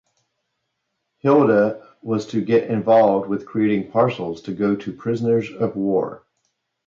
Hilda was to get involved with creating parcels to go to prisoners of war.